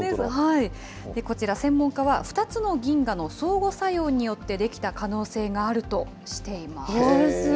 こちら、専門家は、２つの銀河の相互作用によって出来た可能性があるとしています。